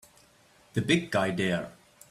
The big guy there!